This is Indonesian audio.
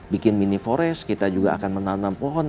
bikin mini forest kita juga akan menanam pohon